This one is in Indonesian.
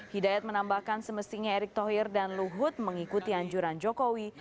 hidayat menambahkan semestinya erick thohir dan luhut mengikuti anjuran jokowi